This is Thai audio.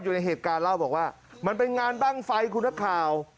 อยู่ในเหตุการณ์เล่าบอกว่ามันเป็นงานบ้างไฟคุณนักข่าว